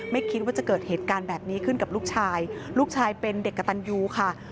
ไม่คิดว่าจะเกิดเหตุการณ์แบบนี้ขึ้นกับลูกชายลูกชายเป็นเด็กกระตันยูค่ะ